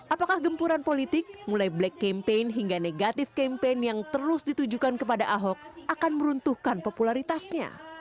apakah gempuran politik mulai black campaign hingga negatif campaign yang terus ditujukan kepada ahok akan meruntuhkan popularitasnya